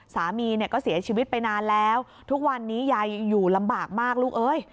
สามีเนี่ยก็เสียชีวิตไปนานแล้วทุกวันนี้ยายอยู่ลำบากมากลูกเอ้ย